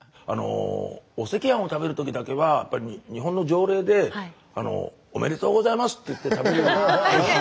お赤飯を食べるときだけはやっぱり日本の条例で「おめでとうございます」って言って食べるのを。